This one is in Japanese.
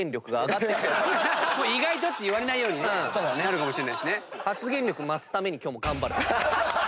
「意外と」って言われないようになるかもしれないしね。